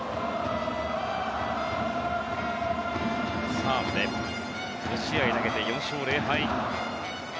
ファームで５試合投げて４勝０敗。